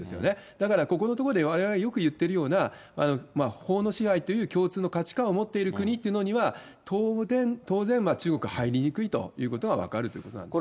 だからここのところでわれわれがよく言ってるような、法の支配という共通の価値観を持っている国っていうのには、当然、中国、入りにくいということが分かるということなんですね。